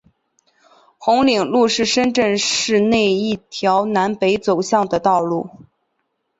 红岭路是深圳市内一条南北走向的道路。